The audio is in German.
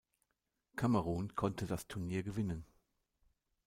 Kamerun konnte das Turnier gewinnen.